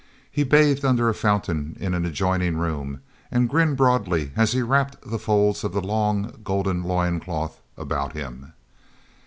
He bathed under a fountain in an adjoining room, and grinned broadly as he wrapped the folds of the long golden loin cloth about him.